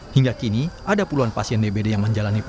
hingga kini ada puluhan pasien dbd yang menjalani perawatan